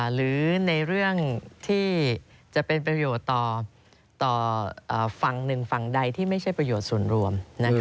หรือในเรื่องที่จะเป็นประโยชน์ต่อฝั่งหนึ่งฝั่งใดที่ไม่ใช่ประโยชน์ส่วนรวม